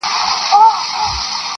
څنکه چي خاموشه دریابو کي ملغلري دي,